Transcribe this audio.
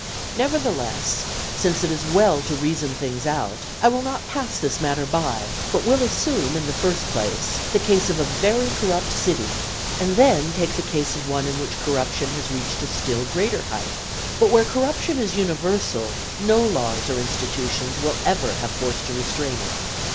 Nevertheless, since it is well to reason things out, I will not pass this matter by, but will assume, in the first place, the case of a very corrupt city, and then take the case of one in which corruption has reached a still greater height; but where corruption is universal, no laws or institutions will ever have force to restrain it.